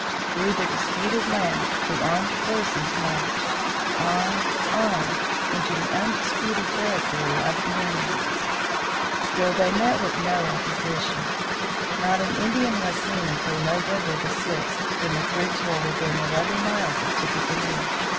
Through the disputed land the armed forces marched; on, on, into the undisputed territory of the Indians. Still they met with no opposition. Not an Indian was seen until November the sixth, when the troops were within eleven miles of Tippecanoe.